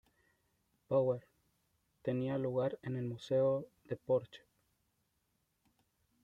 Power" tenía lugar en el Museo de Porsche.